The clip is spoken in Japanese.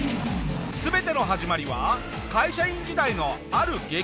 全ての始まりは会社員時代のある激